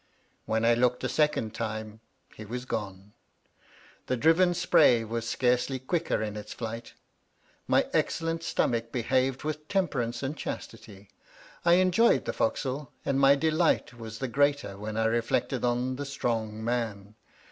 When I looked a second time he was gone. The driven spray was scarcely quicker in its flight. My excellent stomach behaved with temperance and chastity. I enjoyed the fo'c'sle, and my delight was the greater when I reflected on the strong man.